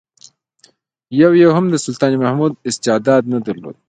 یو یې هم د سلطان محمود استعداد نه درلود.